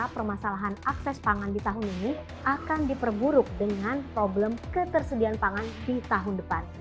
permasalahan akses pangan di tahun ini akan diperburuk dengan problem ketersediaan pangan di tahun depan